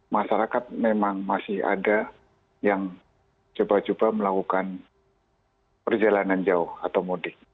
masyarakat memang masih ada yang coba coba melakukan perjalanan jauh atau mudik